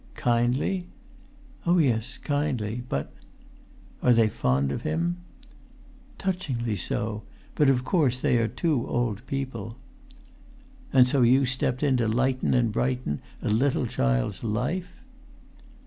"Kindly?" "Oh, yes—kindly. But——" "Are they fond of him?" "Touchingly so; but, of course, they are two old people." "And so you stepped in to lighten and brighten a little child's life!"